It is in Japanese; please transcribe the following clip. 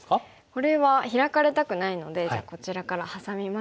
これはヒラかれたくないのでじゃあこちらからハサみますか。